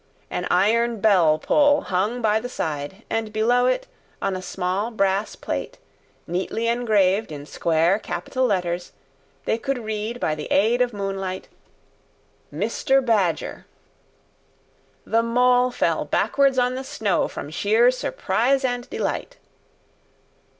An iron bell pull hung by the side, and below it, on a small brass plate, neatly engraved in square capital letters, they could read by the aid of moonlight MR. BADGER. The Mole fell backwards on the snow from sheer surprise and delight.